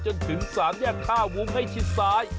จนถึง๓แยกท่าวุ้งให้ชิดซ้าย